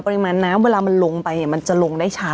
เพราะฉะนั้นน้ำเวลามันลงไปมันจะลงได้ช้า